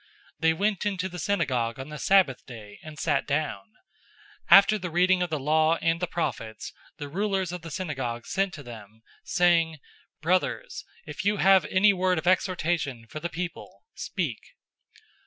They went into the synagogue on the Sabbath day, and sat down. 013:015 After the reading of the law and the prophets, the rulers of the synagogue sent to them, saying, "Brothers, if you have any word of exhortation for the people, speak."